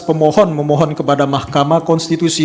pemohon memohon kepada mahkamah konstitusi